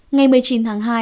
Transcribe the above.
ngày một mươi chín tháng hai